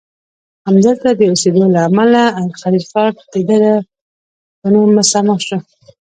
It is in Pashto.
همدلته د اوسیدو له امله الخلیل ښار دده په نوم مسمی شو.